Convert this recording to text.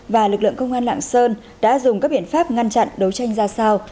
và lực lượng công an lạng sơn đã dùng các biện pháp ngăn chặn đấu tranh ra sao